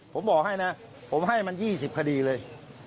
ผมบอกให้นะผมให้มัน๒๐คดีเลย